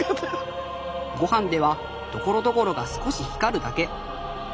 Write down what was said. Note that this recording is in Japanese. ごはんではところどころが少し光るだけ。